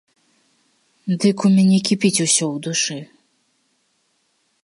Дык у мяне кіпіць усё ў душы.